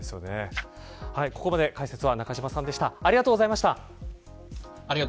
ここまで解説は中島さんでした。